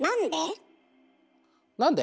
なんで？